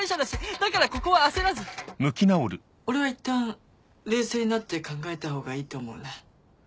だからここは焦らず俺はいったん冷静になって考えたほうがいいと思うな。